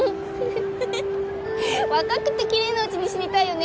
ふふっ若くてきれいなうちに死にたいよね！